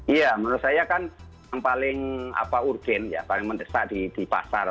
ya menurut saya kan yang paling apa urgen paling mendesak di pasar